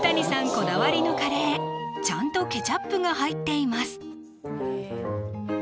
こだわりのカレーちゃんとケチャップが入っています